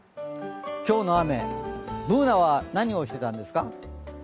今日の雨、Ｂｏｏｎａは何をしていたんですか？